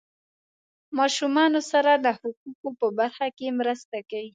ماشومانو سره د حقوقو په برخه کې مرسته کوي.